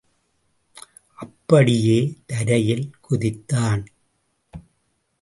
அப்படியே தரையில் குதித்தான்.